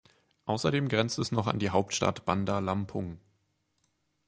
Außerdem grenzt es noch an die Hauptstadt Bandar Lampung.